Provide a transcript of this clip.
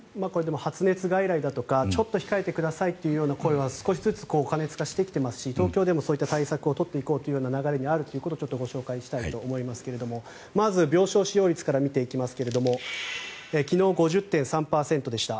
発熱外来だとか、ちょっと控えてくださいという声は少しずつ過熱化してきていますし東京都でもそうした対策を取っていこうという流れにあることをご紹介したいと思いますがまず、病床使用率から見ていきますが昨日、５０．３％でした。